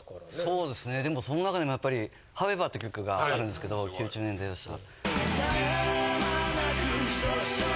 そうですねでもその中でもやっぱり『ＨＯＷＥＶＥＲ』って曲があるんですけど９０年代に出した。